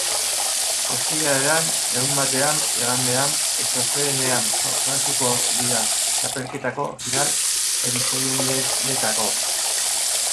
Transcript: Ostiralean, larunbatean, igandean eta astelehenean jokatuko dira txapelketako final hamseirenetako norgehiagokak.